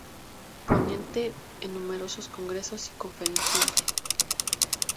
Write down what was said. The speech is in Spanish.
Ponente en numerosos congresos y conferenciante.